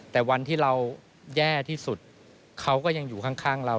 แต่วันที่เราแย่ที่สุดเขาก็ยังอยู่ข้างเรา